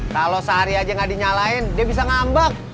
kalau sehari aja gak dinyalain dia bisa ngambak